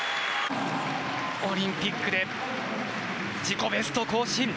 オリンピックで自己ベスト更新。